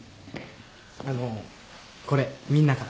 あのこれみんなから。